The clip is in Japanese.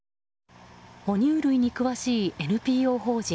哺乳類に詳しいＮＰＯ法人